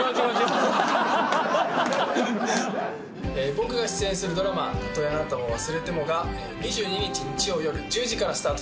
僕が出演するドラマ『たとえあなたを忘れても』が２２日日曜よる１０時からスタートします。